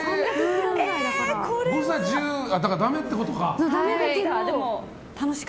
誤差１０だからだめってことか。